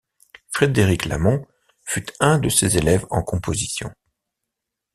Frederic Lamond fut un de ses élèves en composition.